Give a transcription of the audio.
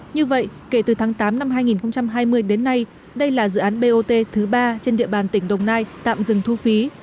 như vậy kể từ tháng tám năm hai nghìn hai mươi đến nay đây là dự án bot thứ ba trên địa bàn tỉnh đồng nai tạm dừng thu phí